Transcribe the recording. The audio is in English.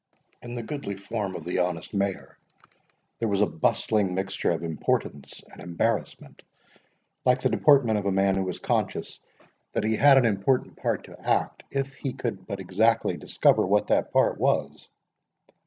In the goodly form of the honest Mayor, there was a bustling mixture of importance and embarrassment, like the deportment of a man who was conscious that he had an important part to act, if he could but exactly discover what that part was.